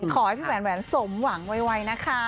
ขอให้พี่แหวนสมหวังไวนะคะ